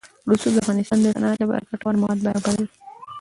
رسوب د افغانستان د صنعت لپاره ګټور مواد برابروي.